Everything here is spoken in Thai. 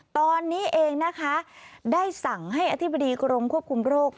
ตอนนี้เองนะคะได้สั่งให้อธิบดีกรมควบคุมโรค